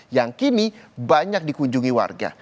yang kini banyak dikunjungi warga